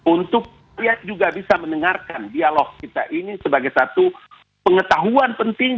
untuk rakyat juga bisa mendengarkan dialog kita ini sebagai satu pengetahuan penting